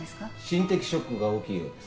心的ショックが大きいようです。